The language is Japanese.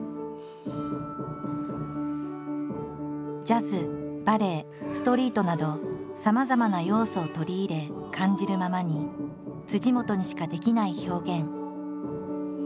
ジャズバレエストリートなどさまざまな要素を取り入れ感じるままに本にしかできない表現。